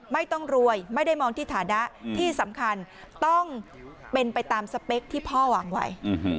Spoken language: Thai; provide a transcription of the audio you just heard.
ไม่ต้องรวยไม่ได้มองที่ฐานะที่สำคัญต้องเป็นไปตามสเปคที่พ่อหวังไว้